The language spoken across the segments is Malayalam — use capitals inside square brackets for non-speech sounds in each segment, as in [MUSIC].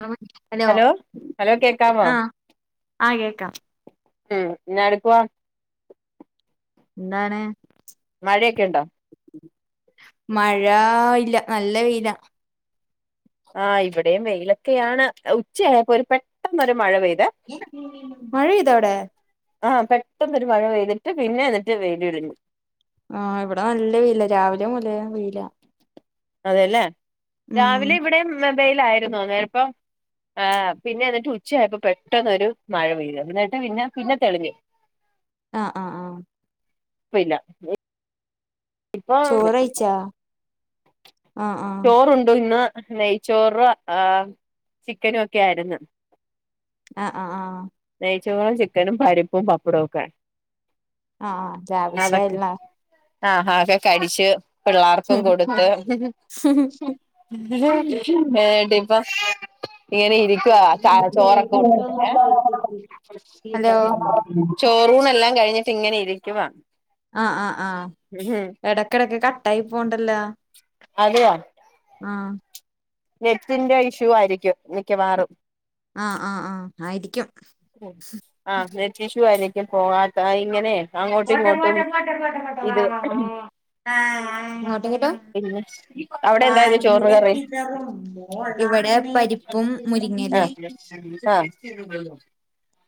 ആ ഹലോ ഹലോ കേക്കാമോ ആഹ് കേക്കാം ഉം ഞാനി ഇപ്പോ എന്താണ് മഴയൊക്കെ ഒണ്ടോ മഴ ഇല്ല നല്ല വെയിലാ ആ ഇവിടെയും വെയിലൊക്കെയാണ് ഉച്ചയായപ്പോ ഒരു പെട്ടെന്നരു മഴ പെയ്ത് മഴെയ്തോ അവടെ ആഹ പെട്ടെന്ന് ഒരു മഴ പെയ്തിട്ട് പിന്നെ എന്നിട്ട് വേയിൽ വിടിഞ്ഞു ആഹ് ഇവിടെ നല്ല വെയ്ലാ രാവിലെ മൊതലേ വെയ്ലാ അതെലേ ഉം രാവിലെ ഇവിടേം വെയിലായിരുന്നു അന്നേരപ്പം ആ പിന്നെ എന്നിട്ട് ഉച്ചയായപ്പോ പെട്ടെന്ന ഒരു മഴ പെയ്തു ആ ന്നിട്ട് പിന്നെ പിന്നെ തെളിഞ്ഞു ആ ആ ആഹ പ്പല്ല ഇപ്പൊ ചോറ് [UNINTELLIGIBLE] കഴിച്ചാ ആഹ് ആഹ് ചോറുണ്ടു ഇന്ന് നെയ്ച്ചോറ് ആഹ് ചിക്കനും ഒക്കെ ആയിര്ന്ന് അഹ് അഹ് ആഹ് നെയ്ച്ചോറും, ചിക്കനും, പരിപ്പും, പപ്പടോക്കെ അഹ് ആഹ് ലാവിഷായ്രുന്നോ ആഹാ ഒക്കെ കഴിച്ച് പിള്ളാർക്കും കൊടുത്ത് നേട്ടിപ്പം ഇങ്ങനെ ഇരിക്കുവാ ചാ ഒന്ന് ചോറൊക്കെ [UNINTELLIGIBLE] പോകൂല്ലന്നുള്ള ഏഹ് കാര്യത്തി ചേറൂണെല്ലാം കഴിഞ്ഞിട്ട് ഇങ്ങനെ ഇരിക്കുവാ ആഹ് ആഹ് ആഹ് ഉം എടക്കെടക്ക് കട്ടായിപോണ്ടല്ലാ അതെയോ ആഹ് നെറ്റിന്റെ ഇഷ്യൂവായിരിക്കും മിക്കവാറും ആഹ് ആഹ് ആഹ് ആയിരിക്കും ഉം ആഹ് നെറ്റിഷ്യു ആയിരിക്കും കോ കാട്ടാ ഇങ്ങനെ അങ്ങോട്ടും പോട്ടെ ഇങ്ങോട്ടും പോട്ടെ പോട്ടെ പോട്ടെ ഇത് പോട്ടെ [UNINTELLIGIBLE] ബാ [UNINTELLIGIBLE] പിന്നെ അവിടെ എന്തായിരുന്നു ചോറിന് കറി ബാംഗ്ളൂരെത്തീറ്റാ [UNINTELLIGIBLE] ഇവടെ പരിപ്പും മുരിങ്ങലേം ആഹ് [UNINTELLIGIBLE]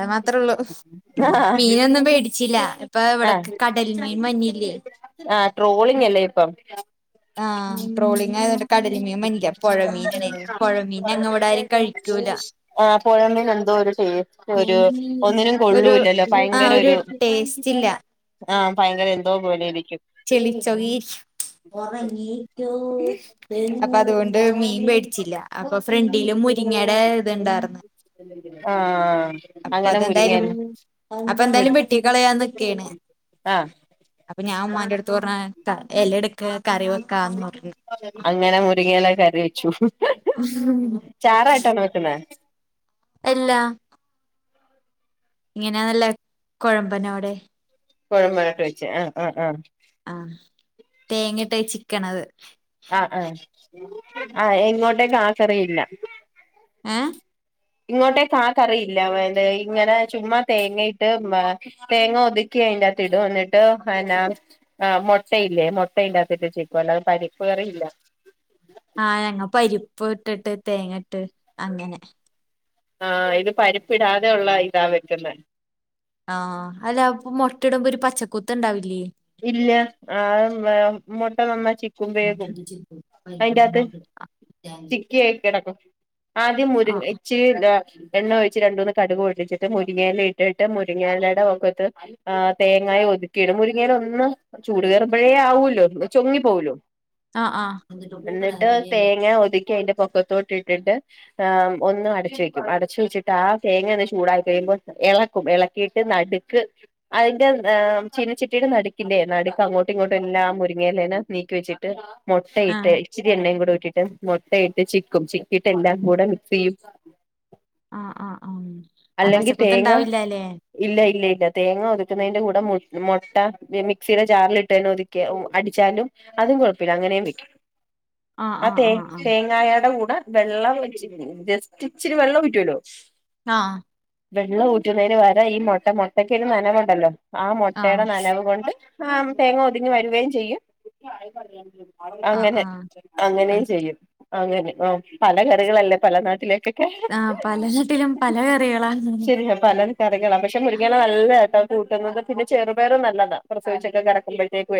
അഹ് മാത്രേ ഒള്ളൂ മീനൊന്നും വേടിച്ചില്ലാ ഇപ്പൊ ആഹ് ഇവടക്ക് കടൽ മീൻ വര്ഞ്ഞില്ലേ ആഹ് ട്രോളിങ്ങല്ലേ ഇപ്പം ആഹ് ട്രോളിങ്ങായതോ കടൽമീൻ വഞ്ഞില്ല പൊഴമീനാണേ പൊഴമീൻ ഞങ്ങ ഇവിടാരു കഴിക്കൂല ആഹ് പൊഴമീന് എന്തോരു ടേസ്റ്റ് ഒരു ഒന്നിനും കൊള്ളൂല്ലല്ലോ ഭയങ്കര ഒരു ടേസ്‌റ്റില്ല ആഹ് പയങ്കര എന്തോ പോലെ ഇരിക്കും ചെളി ച്ചൊകേര്ക്കും ഒറങ്ങിറ്റോ അപ്പൊ അതുകൊണ്ട് മീൻ വേടിച്ചില്ല അപ്പൊ ഫ്രണ്ടില് മുരിങ്ങടെ ഇത്ണ്ടാർന്ന് ആഹ് അപ്പ അങ്ങനെ അതെന്തായാലും മുരിങ്ങയില അപ്പൊ മുരി എന്തായാലും വെട്ടിക്കളയാൻ നിക്കേണ് ആഹ് അപ്പൊ ഞാ ഉമ്മാന്റെട്ത്ത് പറഞ്ഞ് ത എല എട്ക്ക് കറി വെക്കാന്ന് പറഞ്ഞു അങ്ങനെ മുരിങ്ങഎല കറി വെച്ചു ചാറായിട്ടാണോ വെക്ക്ണേ എല്ലാ ഇങ്ങനെ നല്ല കൊഴമ്പനോടെ കൊഴമ്പായിട്ട് വെച്ച് ആഹ് ആഹ് ആഹ് ആഹ് തേങ്ങയിട്ട് അഹ് ചിക്കണത് ആഹ് ആഹ് ആഹ് ഇങ്ങോട്ടേക്കാ ക്കറിയില്ല ഏഹ് ഇങ്ങോട്ടേക്കാ കറിയില്ല വേ ന്തെ ഇങ്ങനെ ചുമ്മാ തേങ്ങയിട്ട് വാ തേങ്ങ ഒതുക്കി അയിന്റാത്തിടും എന്നിട്ട് എ എന്നാ ആഹ് മൊട്ടയില്ലേ മൊട്ട അയിൻ്റാത്തിട്ട് ചിക്കും അല്ലാതെ പരിപ്പക്കറി ഇല്ല ആഹ് ഞങ്ങ പരിപ്പ് ഇട്ടിട്ട് തേങ്ങട്ട് അങ്ങനെ ആഹ് ഇത് പരിപ്പിടാതെ ഒള്ള ഇതാ വെക്ക്ന്നേ ആഹ് അല്ലപ്പൊ മൊട്ട ഇടുമ്പോ ഒരു പച്ചക്കുത്ത് ഇണ്ടാവില്ല്യേ ഇല്ല ആ വേ മൊട്ട നന്നായി ചിക്കും വേകും [UNINTELLIGIBLE] കൈക്കോട്ടും [UNINTELLIGIBLE] ച്ചിക്കി ആയി കെടക്കും ആദ്യം ആ മുരിങ്ങ ഇച്ചി രി എണ്ണ ഒഴിച്ച് രണ്ടൂന്ന് കടുകും പൊട്ടിച്ചിട്ട് മുരിങ്ങയെല ഇട്ടിട്ട് മുരിങ്ങ എലേടെ വക്കത്ത് ആഹ് തേങ്ങായും ഒതുക്കി ഇടും മുരിങ്ങേല ഒന്ന് ചൂട് കേറുമ്പഴേ ആവൂല്ലോ ചൊങ്ങിപ്പോവൊ ല്ലോ ആ ആ ആ എന്നിട്ട് തേങ്ങ ഒതുക്കി അതിന്റെ പൊക്കത്തോട്ടിട്ടിണ്ട് ഏഹ് ഒന്ന് അടച്ചു വെക്കും അടച്ചു വെച്ചിട്ട് ആ തേങ്ങ ഒന്ന് ചൂടായി കഴിയുമ്പോൾ ഇളക്കും ഇള ‌ക്കിട്ട് നടുക്ക് അതിന്റെ ഏഹ് ചീനച്ച ട്ടിയുടെ നടുക്കില്ലേ നടുക്ക് അങ്ങോട്ടും ഇങ്ങോട്ടും എല്ലാം മുരുങ്ങേലേന്നെ നീക്കി വെച്ചിട്ട് മുട്ടയിട്ട് ഇച്ചിരി എണ്ണയും കൂടെ ഇട്ടിട്ട് മുട്ടയിട്ട് ചിക്കും ചിക്കിട്ട് എല്ലാം കൂടെ മിക്സ് ചെയ്യും ആഹ് ആഹ് ആഹ് ആ അല്ലെങ്കിൽ പച്ചക്കുത്ത് തേങ്ങ ഉണ്ടാവൂല്ലല്ലേ ഇല്ല ഇല്ല ഇല്ല തേങ്ങ ഒതുക്കുന്നതിന്റെ കൂടെ മു മൊട്ട മിക്സിയുടെ ജാറിലിട്ട് തന്നെ ഒതു ക്കെ അടിച്ചാലും അതും കുഴപ്പമില്ല അങ്ങനെയും വെക്കും ആ തേ തേങ്ങായാടെ കൂടെ വെള്ളം ജസ്റ്റ് ഇച്ചിരി വെള്ളം ഉറ്റുവല്ലോ ആഹ് വെള്ളം ഊറ്റുന്നതിന് പകരം ഈ മുട്ട മുട്ടക്കൊരു നനവുണ്ടല്ലോ ആ മുട്ടയുടെ നനവ് കൊണ്ട് ആഹ് തേങ്ങ ഒതുങ്ങി വരുകയും ചെയ്യും ആ അങ്ങനെ ആ ആ അങ്ങനെയും ചെയ്യും അങ്ങനെ ആഹ് പല കറികളല്ലേ പല നാട്ടിലേക്കൊക്കെ ആഹ് പല നാട്ടിലും പല കറികളാ ശരിയാ പല നാ കറികള പക്ഷെ മുരിങ്ങല നല്ലതാട്ട കൂട്ടുന്നത് പിന്നെ ചെറുപയറും നല്ലതാണ് പ്രസവിച്ചൊക്കെ കടക്കുമ്പോഴത്തേക്ക്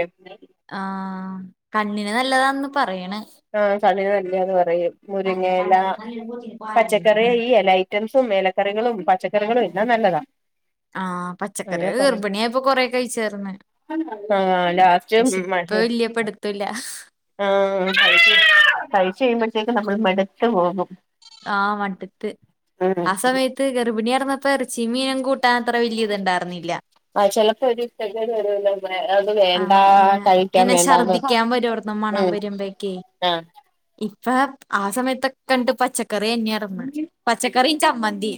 ആഹ് കണ്ണിന് നല്ലതാന്ന് പറയണ് ആഹ് കണ്ണിന് നല്ലേയാന്ന് പറയും മുരിങ്ങേല കണ്ണിന് നല്ലോണം പോത്തിന് പാലിന് പച്ചക്കറിയിൽ ഈ ഇല ഐറ്റംസും എലക്കറികളും പച്ചക്കറികളും എല്ലാം നല്ലതാ ആഹ് അങ്ങനെ പച്ചക്കറികൾ ഗർഭിണിയായിപ്പൊ കൊറെ കഴിച്ചാർന്ന് ആഹ് ലാസ്റ്റ് പക്ഷെ ഇപ്പ വല്ല്യ പിടുത്തല്ല ആഹ് കഴിച്ച് കഴിയുമ്പോഴത്തേക്കും നമ്മൾ മടുത്തു പോകും ആഹ് മട്ത്ത് ഉം ആ സമയത്ത് ത്ത് ഗർഭിണി ആയിരുന്നപ്പ ഇറച്ചിയും മീനും കൂട്ടാൻ അത്ര വലിയ ഇത് ഇണ്ടായിരുന്നില്ല ആഹ് ചെലപ്പോ ഒരു [UNINTELLIGIBLE] അത് വേണ്ട ആഹ് ഇങ്ങനെ കഴിക്കാൻ ഇങ്ങനെ വേണ്ടാന്ന് ഛർദ്ദിക്കാൻ വരുവാർന്നു മണം ഉം വരുമ്പഴേക്കേ ആഹ് ഇപ്പ ആ സമയത്തൊക്കണ്ട് പച്ചക്കറിയന്നാര്ന്ന് പച്ചക്കറിയും ചമ്മന്തി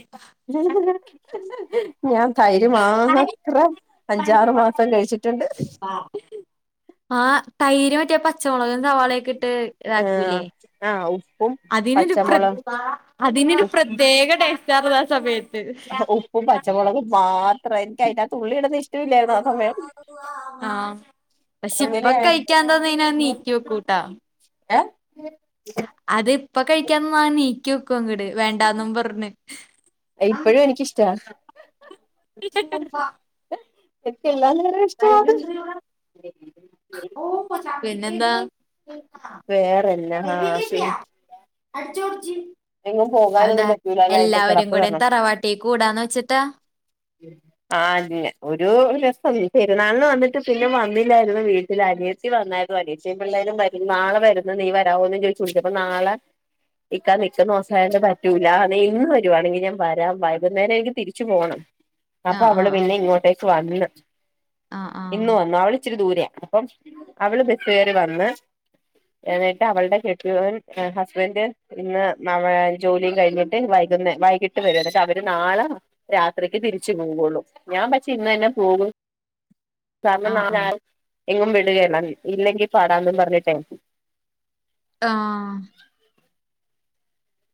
ഞാൻ തൈര് മാത്രം അഞ്ചാറ് മാ സം കഴിച്ചിട്ടുണ്ട് ആഹ് തൈര് മറ്റേ പച്ചമുളക് സവാളയൊക്കെ ഇട്ട് ആ ഇതാക്കൂല്ലേ ആ ഉപ്പും അതിനൊരു പ്ര പച്ചമുളക് അതിനൊരു പ്രത്യേക ടേസ്റ്റാണല്ലോ ആ സമയത്ത് ഉപ്പും പച്ചമുളകും മാത്രം എനിക്ക് അതിനകത്ത് ഉള്ളി ഇട്ന്നെ ഇഷ് ആഹ് പക്ഷെ ഇപ്പൊ അങ്ങനെയായിരുന്നു കഴിക്കാൻ തന്നെയ്നാ ഞാൻ നീക്കി വെക്കൂട്ടാ ചിക അത് ഇപ്പ കഴിക്കാൻത്തന്ന നീക്കി വെക്കും അങ്ങട് വേണ്ടാന്നും പറഞ്ഞ് ഇപ്പഴും എനിക്കിഷ്ട [UNINTELLIGIBLE] തെറ്റില്ലാന്നിങ്ങനെ പിന്നെന്താ വേറെന്നാ ആ ശരി എങ്ങും അതെന്താ പോകാനൊന്നും പറ്റൂല അല്ലേ ഇപ്പൊ എല്ലാവരും കിടപ്പ് കാരണം കൂടെയും തറവാട്ടി കൂടാന്ന് വെച്ചിട്ടാ ഉം ആ അങ ഒരു രസം പെരുന്നാൾന്ന് വന്നിട്ട് പിന്നെ വന്നില്ലയിരുന്നു വീട്ടിലനി വന്നായിരുന്നു അനിയത്തി പിള്ളേരും വര നാളെ വര നീ വരമോ എന്ന് ചോദിച്ചു ച്ചപ്പ നാളെ ക്കാതെ നി പച്ച മോസായ് പറ്റൂല നീ ഇന്ന് വരുവാണെങ്കിൽ ഞാൻ വരാം വൈകുന്നേരം എനിക്ക് തിരിച്ചു പോകണം ആ അപ്പൊ ആ അവള് ആ പിന്നെ ഇങ്ങോട്ടേക്ക് വന്ന് ആ ഇന്ന് വന്നു അവള ഇച്ചിരി ദൂരെയാണ് അപ്പം അവള് ബസ് കേറി വന്ന് ന്നിട്ട് അവളുടെ കെട്യോൻ ഹസ്ബൻഡറ് ഇന്ന് ജോലിയും കഴിഞ്ഞിട്ട് വൈകുന്ന വൈകിട്ട് വരും ന്നിട്ട് അവര് നാളാ- രാത്രിക്ക് തിരിച്ചു പോവയുള്ളൂ ഞാൻ പക്ഷേ ഇന്ന് തന്നെ പോകും കാരണം ആ നാന ആ എങ്ങും വിടുകേല ഇല്ലെങ്കിൽ പാടാന്ന് പറഞ്ഞിട്ടേ ആഹ്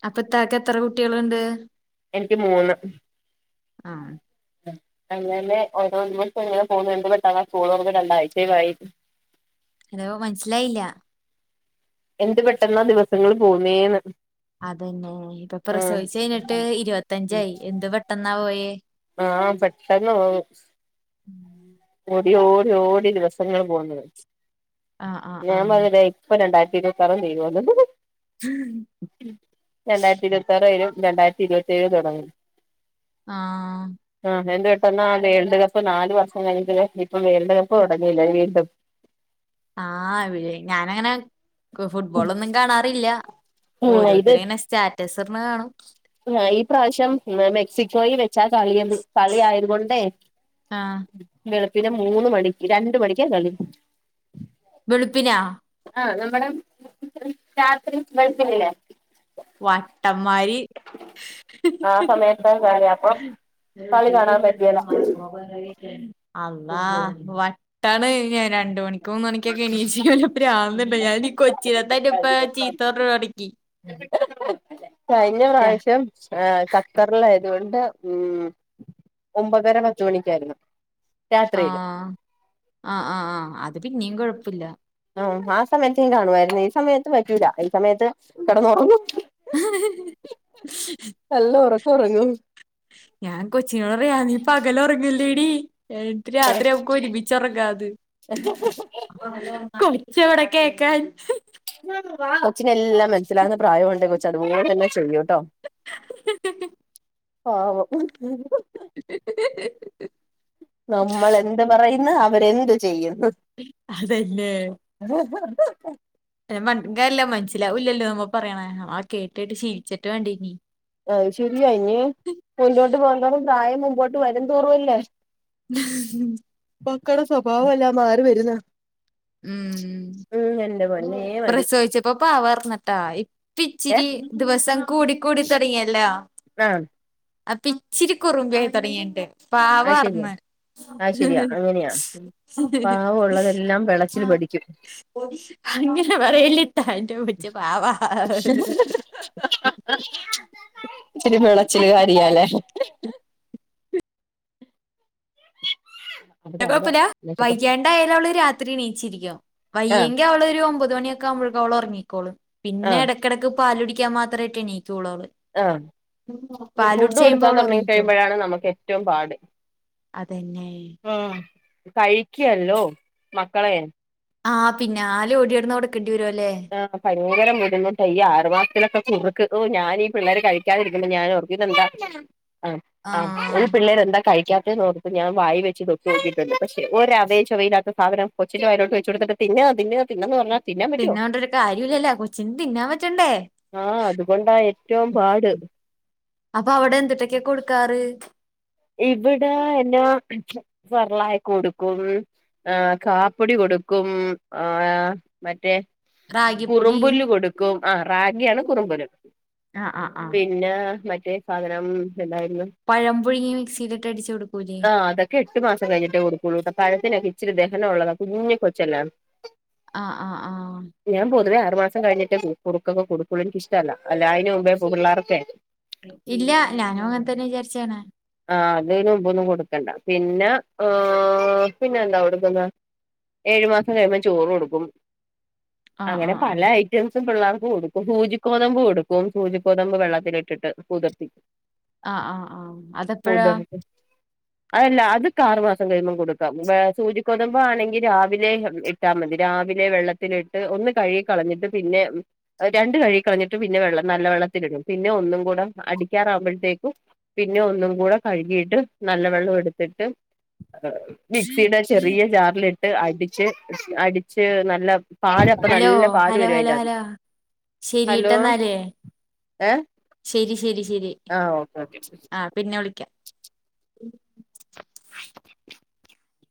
അപ്പൊ ഇത്താക്ക് എത്ര കുട്ടികളൾ ണ്ട് എനിക്ക് മൂന്ന് ആഹ് അങ്ങനന്നെ [UNINTELLIGIBLE] രണ്ടാഴ്ചയുംമായി ഹലോ മനസ്സിലായില്ല എന്ത് പെട്ടെന്ന ദിവസങ്ങള് പോവുന്നേന്ന് അതന്നെ ഇപ്പൊ പ്രസവിച്ച കഴിഞ്ഞിട്ട് ഉം ഇരുപത്തഞ്ചായി എന്ത് പെട്ടെന്നാ പോയേ ആഹ് പെട്ടന്ന് പോവും ഉം ഓടി ഓടി ഓടി ദിവസങ്ങൾ പോകുന്നത് ആ ആ ഞാൻ പറ- ഇപ്പൊ രണ്ടായിര ഇരുപത്തിആർ തീരുലൊ ഉം രണ്ടായിരത്തി ഇരുപത്തി ആറ് കയിഞ്ഞ് രണ്ടായിരത്തി ഇരുപത്തി ഏഴ് തുടങ്ങും ആഹ് ആഹ് എന്താ പെട്ടന്ന് ആ വേൾഡ് കപ്പ് നാല് വർഷം കഴിഞ്ഞട്ട ഇപ്പ വേൾഡ് കപ്പ് തുടങ്ങയില്ലേ വീണ്ടും ആ ഇ ഞാനങ്ങനെ ഫുട്ബോളൊന്നും കാണാറില്ല ഉം ഓരോരുത്തരങ്ങനെ സ്റ്റാറ്റസ് ഇടണേ കാണും ആ ഈ പ്രാവശ്യം മെക്സിക്കോയിൽ വ- ച്ചാ കളി കളി ആയത് കൊണ്ടേ ആ വളുപ്പിന് മൂന്ന് മണിക്ക് രണ്ട മണിക്കാ കളി വെളുപ്പിനോ ആഹ് നമ്മുടെ രാത്രി വെളപിന് ലെ വട്ടമാര് ആ സമയ എന്താ കറിയ അപ്പൊ കളി കാണാൻ പറ്റിയല്ല [UNINTELLIGIBLE] അള്ളാഹ് വട്ടാണ് രണ്ട് മണിക്ക് മൂന്ന് മണിക്കൊക്കെ എണീച് പ്രാന്ത് ണ്ടോ ഞാനീഈ കൊച്ചിടത്തായിട്ട് ഇപ്പ ചീത്തോറഞ്ഞു തൊടങ്ങി കഴിഞ്ഞ ടാ. പ്രാവശ്യം ആ ഖത്തറിലയതുകൊണ്ട് ഉം ഒമ്പതര പത്തുമണിക്കായിരുന്നു ആഹ് ആ ആഹ് ആഹ് അത് പിന്നിം കൊഴപ്പല്ല ആ ആ സമയത് കാണുവായിരുന്നു ഈ സമയത്ത് പറ്റൂല ഈ സമയത്ത് കിടന്നോറങ്ങും [UNINTELLIGIBLE] നല്ല ഉറക്കം ഉറങ്ങും ഞാൻ കൊച്ചിനോട് പറയും നീ പകൽ ഉറങ്ങല്ലേടി ന്നിട്ട് രാത്രി ഉറങ്ങും മ്മക്ക് ഒരുമിച്ചെറങ്ങാന്ന് കൊചെവിടെ കേക്കാൻ കൊച്ചിനെ എല്ലാം മനസ്സിലാവകുന്ന പ്രായണ്ട് കൊച് അതുപോലെ തന്നെ ചെയ്യൂ ട്ടൊ പാവം [UNINTELLIGIBLE] നമ്മള് എന്ത് പറയുന്നു അവരെന്ത് ചെയ്യു അതന്നെ ഹഹഹഹ [UNINTELLIGIBLE] മനസിലില്ലല്ലോ [UNINTELLIGIBLE] നമ്മ പറയ്ണെ ആഹ് കേട്ടിട്ട് ശീലിച്ചിട്ട് വണ്ടിനി അത് ശരിയാ ഇനീ മുന്നോട്ട് പോകുന്തോറും പ്രായം മുമ്പോട്ട് വരു ന്തോറുവല്ലേ ഹഹഹ് മക്കടെ സ്വഭാവമെല്ലാം മാറി വരുന്നു ഉം പൊന്നേ മതി പ്രസവിച്ച പ്പൊ പാവർന്നിട്ടാ ഇപ്പം ഏ ഇച്ചിരി ദിവസം കൂടി കൂടി തുടങ്ങിയല്ലോ ആഹ് അപ്പ ഇച്ചിരി കുറുമ്പായി തുടങ്ങിട്ടുണ്ട് അത് ശരിയാ പാവർന്ന് അത് ശരിയാ അങ്ങനെയാ പാവം ഉള്ളതെല്ലാം വെളച്ചിൽ ഹ്ഹ്ഹ്ഹ്ഹ്ഹ്ആഹ് പഠിക്കും അങ്ങനെ പറയല്ലേ ഇത്താൻ്റെ കൊച്ച് പാവ ഇച്ചിരി വെളച്ചില് കാരിയാല്ലേ ഉ [INAUDIBLE] അവിടെ അവിടെയാ കുഴപ്പില്ല മേശപ്പുറത്ത് വൈകാണ്ടായാല് അവള് രാത്രി എണീച്ചിരിക്കും ആഹ് വയ്യെങ്കി അവള് ഒരു ഒമ്പത് മണിയക്കെ ക്കവുമ്പോഴക്കും അവള് ഒറങ്ങീക്കോളും ആഹ് പിന്നിടക്കിടയ്ക്ക് പാലു കുടിക്കാൻ മാത്രായിട്ടാണ് എണ്ണീക്കുള്ളൂ അവൾ ആഹ് ഫുഡ് കൊടുക്കാൻ അവള് തുടങ്ങി ഉറങ്ങിക്കോളും ക്കഴിയുമ്പോഴാണ് നമുക്ക് ഏറ്റവും പാട് അതന്നെ ആഹ് കഴിക്കുവല്ലോ മക്കളെ ആഹ് പിന്നാലെ ഓടി നടന്ന് കൊടുക്കേണ്ടി വരുവല്ലേ ഭയങ്കര ബുദ്ധിമുട്ടാ ഈ ആറുമാസത്തിലൊക്കെ കുുറുക്ക് ഓ ഞാനീ പിള്ളാര് കഴിക്കാതിരിക്കുമ്പോ ഞാൻ ഓർക്കും ഇതെന്താ അഹ് അഹ് ആഹ് [UNINTELLIGIBLE] പിള്ളേരെന്താ കഴിക്കാത്തതെന്നോർത്തു ഞാൻ വായിൽ വെച്ചു നോക്കി നോക്കിട്ടുണ്ട് പക്ഷെ അവയും ചുവവയില്ലാത്ത സാധനം കൊച്ചിൻ്റെ വായിലോട്ട് വെച്ച് കൊടുത്തിട്ട് തിന്ന തിന്ന തിന്നന്നു പറഞ്ഞാ തിന്നാൻ പറ്റുവോ തിന്നാണ്ടൊരു കാര്യല്ലല്ലോ കൊച്ചിന് തിന്നാൻ പറ്റണ്ടേ ആഹ് അതുകൊണ്ടാ ഏറ്റവും പാട് അപ്പൊ അവിടെ എന്തുട്ടൊക്കെ കൊടുക്കാറ്? ഇവിടെ ഞാൻ സെർലാക്ക് കൊടുക്കും ആഹ് കാപ്പൊടി കൊടുക്കും ആഹ് മറ്റേ റാഗിപ്പൊടി കുറുമ്പുല്ല് കൊടുക്കും ആഹ് റാഗിയാണ് കുറുമ്പുല്ല് ആഹ് ആഹ് ആഹ് പിന്നെ മറ്റേ സാധനം എന്തായിരുന്നു? പഴം പുഴുങ്ങി മിക്സിയിലിട്ട് അടിച്ച് കൊടുക്കൂല്ലേ ആഹ് അതൊക്കെ എട്ട്മാസം കഴിഞ്ഞിട്ടേ കൊടുക്കുള്ളൂ പഴത്തിനൊക്കെ ഇച്ചിരി ദഹനമുള്ളതാ കുഞ്ഞി കൊച്ചല്ലേ? ആഹ ആഹ് ആഹ് ഞാൻ പൊതുവെ ആറു മാസം കഴിഞ്ഞിട്ടേ കുറുക്കൊക്കെ കൊടുക്കുള്ളു എനിക്ക് ഇഷ്ടമല്ല അതിന് മുമ്പേ പിള്ളേർക്കേ ഇല്ല ഞാനും അങ്ങൻ തന്നെ വിചാരിച്ചേണെ ആ ഞ്ഞി അയ്ന് മ്പൊന്നും കൊടുക്കണ്ട പിന്നെ ആ പിന്നെന്താ കൊടുക്കുന്നെ ഏഴ് മാസം കഴിയുമ്പം ചോറ് കൊടുക്കും ആഹ് അങ്ങനെ ആഹ് ആഹ് പല ഐറ്റം റ്റംസും പിള്ളാർക്കു കൊടുക്കും സൂചിക്കോതമ്പ് കൊടുക്കും സൂചിക്കോതമ്പ് വെള്ളത്തില് ഇട്ടിട്ട് കുതിർത്തി ആഹ് ആഹ് ആഹ് അതെപ്പഴാ ഓതേണ് [INAUDIBLE] അതല്ല അത്ക്ക്‌ ആറ് മാസം കഴിയുമ്പം കൊടുക്കാം വേ സൂചിക്കോതമ്പാണെങ്കില് രാവിലെ യം എട്ട് ഇട്ടാ മതി രാവിലെ വെള്ളത്തിലിട്ട് ഒന്ന് കഴുകി കളഞ്ഞിട്ട് പിന്നെ ട്ടാ രണ്ട് കഴുകിക്കളഞ്ഞിട്ട് പിന്നെ വെള്ളം നല്ല വെള്ളത്തിലിടും പിന്നെ ഒന്നും കൂടെ അടിക്കാറാകുമ്പഴത്തേക്കും പിന്നെ ഒന്നും കൂടെ കഴുകിയിട്ട് നല്ല വെള്ളം എടുത്തിട്ട് [UNINTELLIGIBLE] മിക്സിയുടെ ചെറിയ ജാറിലിട്ട് അടിച്ച് അടിച്ച് നല്ല പാലപ്പം ഹലോ നല്ല പാല് ഹലോ വരും ഹലോ അതിന്റകത്ത് ഹലോ ശരീട്ട ഹലോ ന്നാല് ഏഹ് ശരി ശരി ശരി ആഹ് ഓക്കെ ഓക്കെ ശരി ആഹ് പിന്നെ വിളിക്കാം